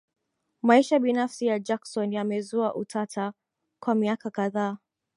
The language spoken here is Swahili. Maisha binafsi ya Jackson yamezua utata kwa miaka kadhaa